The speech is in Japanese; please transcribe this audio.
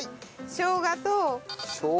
しょうがと？